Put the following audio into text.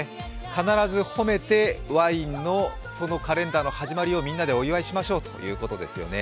必ず褒めてワインのカレンダーの始まりをみんなでお祝いしましょうということですよね。